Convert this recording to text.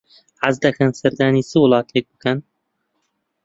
حەز دەکەن سەردانی چ وڵاتێک بکەن؟